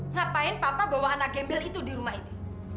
ngapain papa bawa anak gembel itu di rumah ini